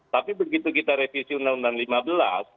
tapi begitu kita revisi undang undang lima belas